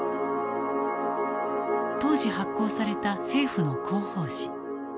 当時発行された政府の広報誌。